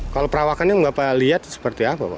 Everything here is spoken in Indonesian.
kalau perawakannya bapak lihat seperti apa pak